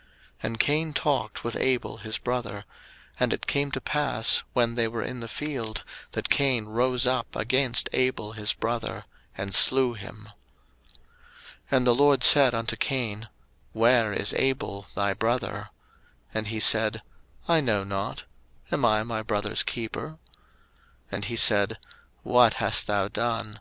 01:004:008 And Cain talked with Abel his brother: and it came to pass, when they were in the field, that Cain rose up against Abel his brother, and slew him. 01:004:009 And the LORD said unto Cain, Where is Abel thy brother? And he said, I know not: Am I my brother's keeper? 01:004:010 And he said, What hast thou done?